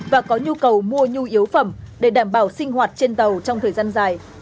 và có nhu cầu mua nhu yếu phẩm để đảm bảo sinh hoạt trên tàu trong thời gian dài